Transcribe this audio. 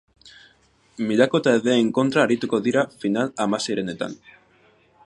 Mailako taldeen kontra arituko dira final-hamaseirenetan.